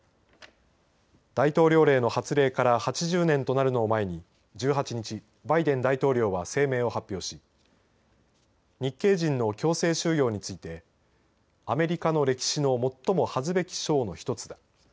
大統領制の発令から８０年となるのを前に１８日、バイデン大統領は声明を発表し日系人の強制収容についてアメリカの歴史の最も恥ずべき章の１つだ。